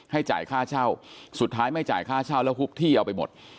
จ่ายค่าเช่าสุดท้ายไม่จ่ายค่าเช่าแล้วหุบที่เอาไปหมด